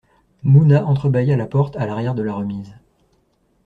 Mouna entrebâilla la porte à l’arrière de la remise.